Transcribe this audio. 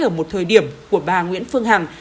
ở một thời điểm của bà nguyễn phương hằng